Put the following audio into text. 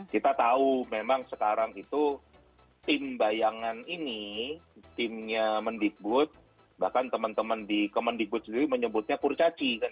kita tahu memang sekarang itu tim bayangan ini timnya mendikbud bahkan teman teman di kemendikbud sendiri menyebutnya kurcaci